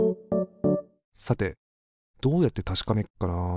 さてどうやってたしかめっかなあ。